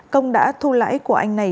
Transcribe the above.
công đã thu lãi của anh này